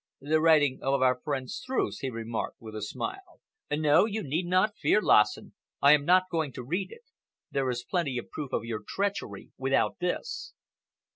"The writing of our friend Streuss," he remarked, with a smile. "No, you need not fear, Lassen! I am not going to read it. There is plenty of proof of your treachery without this."